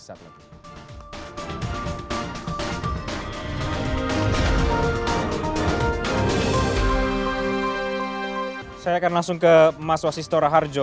saya akan langsung ke mas wasistora harjo